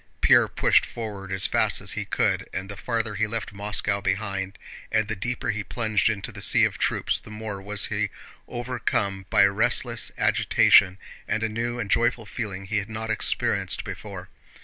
Pierre pushed forward as fast as he could, and the farther he left Moscow behind and the deeper he plunged into that sea of troops the more was he overcome by restless agitation and a new and joyful feeling he had not experienced before.